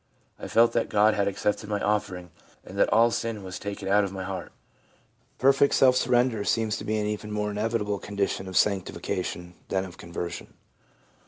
I felt that God had accepted my offering, and that all sin was taken out of my heart/ Perfect self surrender seems to be an even more inevitable condition of sancti fication than of conversion.